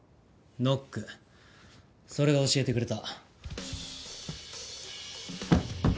ノックそれが教えてくれた。